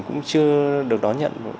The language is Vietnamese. cũng chưa được đón nhận